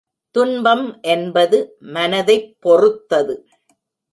துன்பம் என்பது மனத்தைப் பொறுத்தது.